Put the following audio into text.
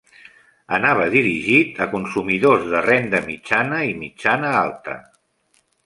Anava dirigit a consumidors de renda mitjana i mitjana-alta.